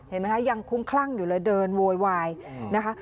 เห็นไหมคะยังคุ้มคลั่งอยู่เลยเดินโวยวายนะคะ